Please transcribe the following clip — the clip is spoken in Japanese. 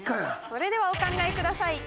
それではお考えください。